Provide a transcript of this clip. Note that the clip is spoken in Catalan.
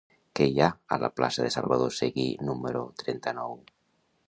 Què hi ha a la plaça de Salvador Seguí número trenta-nou?